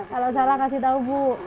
kalau salah kasih tahu bu